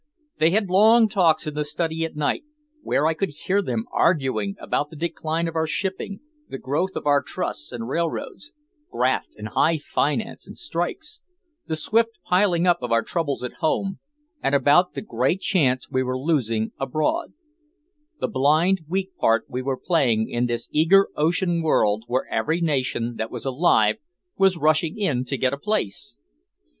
They had long talks in the study at night, where I could hear them arguing about the decline of our shipping, the growth of our trusts and railroads, graft and high finance and strikes, the swift piling up of our troubles at home and about the great chance we were losing abroad, the blind weak part we were playing in this eager ocean world where every nation that was alive was rushing in to get a place.